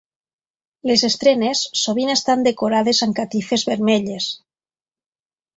Les estrenes sovint estan decorades amb catifes vermelles.